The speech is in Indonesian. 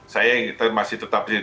saya masih tetap disini